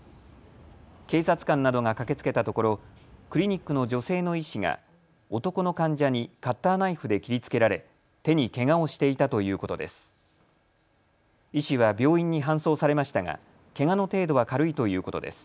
警察官などが駆けつけたところクリニックの女性の医師が男の患者にカッターナイフで切りつけられ手にけがをしていたということです。